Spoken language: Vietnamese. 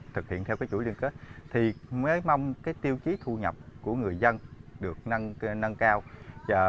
thực hiện theo chuỗi liên kết thì mới mong cái tiêu chí thu nhập của người dân được nâng cao